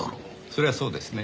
それはそうですね。